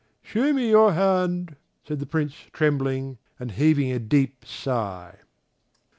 "Show me your hand," said the Prince trembling, and heaving a deep sigh.